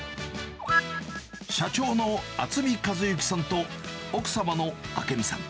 社長の渥美和幸さんと奥様の朱美さん。